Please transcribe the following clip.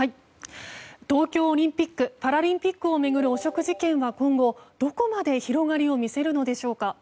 東京オリンピック・パラリンピックを巡る汚職事件は今後、どこまで広がりを見せるのでしょうか。